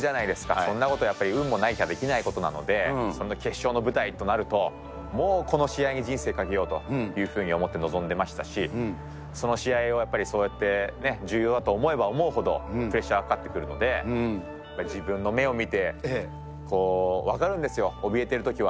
そんなことやっぱり運もないとできないことなので、その決勝の舞台となると、もうこの試合に人生かけようというふうに思って臨んでましたし、その試合をやっぱりそうやって重要だと思えば思うほど、プレッシャーはかかってくるので、自分の目を見て、こう、分かるんですよ、おびえてるときは。